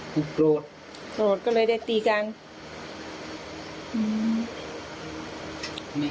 ผมโกรธโกรธก็เลยได้ตีกัน